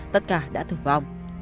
tất cả đã thử vong